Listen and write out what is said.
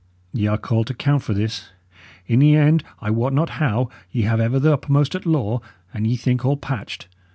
Y' are called to count for this; in the end, I wot not how, ye have ever the uppermost at law, and ye think all patched.